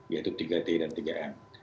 yaitu tiga t dan tiga m